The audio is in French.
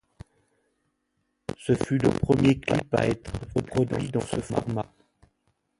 Ce fut le premier clip à être produit dans ce format.